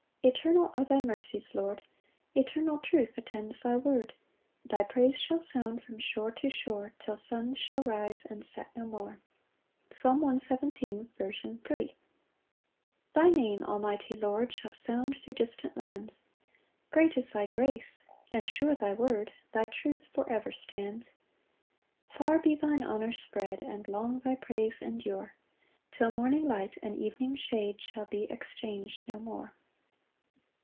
2 Eternal are thy mercies, Lord; Eternal truth attends thy word: Thy praise shall sound from shore to shore, Till suns shall rise and set no more. Psalm 117:3. S. M. 1 Thy Name, almighty Lord, Shall sound thro' distant lands; Great is thy grace, and sure thy word, Thy truth for ever stands. 2 Far be thine honour spread, And long thy praise endure, Till morning light and evening shade Shall be exchang'd no more.